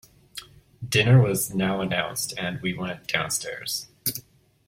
Dinner was now announced, and we went downstairs.